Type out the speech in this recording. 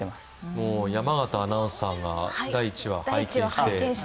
もう山形アナウンサーが第１話拝見して？